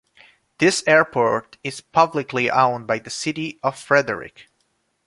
This airport is publicly owned by City of Frederick.